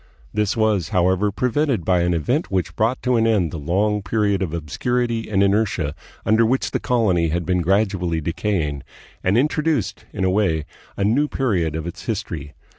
This was, however, prevented by an event which brought to an end the long period of obscurity and inertia under which the colony had been gradually decaying, and introduced, in a way, a new period of its history.